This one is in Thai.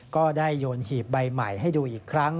ก็ได้โยนหีบใบใหม่ให้ดูอีกครั้ง